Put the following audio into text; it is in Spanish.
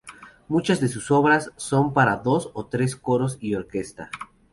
Muchas de sus obras son para dos o tres coros y orquesta.